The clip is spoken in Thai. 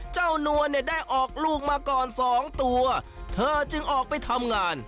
นวลเนี่ยได้ออกลูกมาก่อนสองตัวเธอจึงออกไปทำงาน